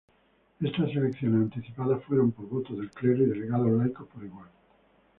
Esas elecciones anticipadas fueron por voto del clero y delegados laicos por igual.